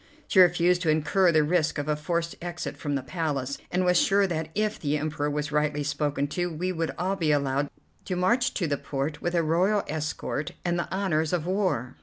She refused to incur the risk of a forced exit from the Palace, and was sure that if the Emperor was rightly spoken to we would all be allowed to march to the port with a royal escort and the honours of war.